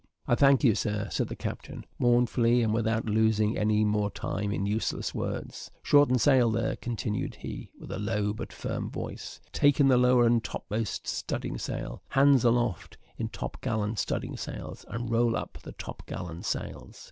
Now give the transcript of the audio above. "I thank you, Sir," said the captain, mournfully; and, without losing any more time in useless words, "Shorten sail there," continued he, with a low but firm voice; "take in the lower and topmost studding sail hands aloft in top gallant studding sails, and roll up the top gallant sails."